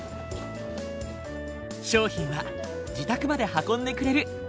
商品は自宅まで運んでくれる。